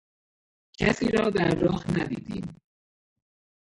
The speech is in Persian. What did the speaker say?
کسی را در راه ندیدیم.